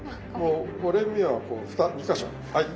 折れ目は２か所はい。